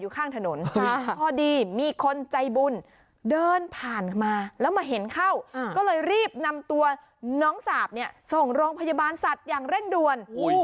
ก็เลยรีบนำตัวน้องสาบส่งโรงพยาบาลสัตว์อย่างเร่งด่วน